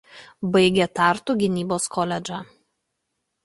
Baigė Tartu gynybos koledžą.